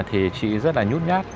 thì chị rất là nhút nhát